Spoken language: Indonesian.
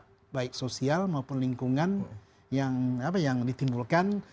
baik sosial maupun lingkungan yang ditimbulkan